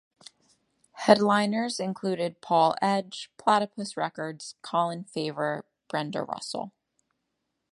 Headliners included Paul Edge, Platipus Records, Colin Favor, Brenda Russell.